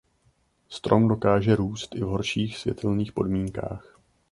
Strom dokáže růst i v horších světelných podmínkách.